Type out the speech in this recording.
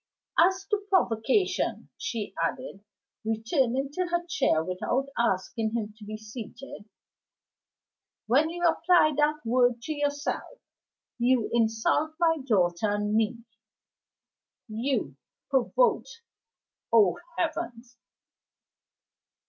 "As to provocation," she added, returning to her chair without asking him to be seated, "when you apply that word to yourself, you insult my daughter and me. You provoked? Oh, heavens!"